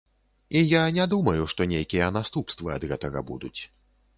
І я не думаю, што нейкія наступствы ад гэтага будуць.